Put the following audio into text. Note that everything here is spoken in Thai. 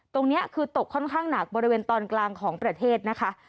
ตรงนี้คือตกค่อนข้างหนักบริเวณตอนกลางของประเทศนะคะ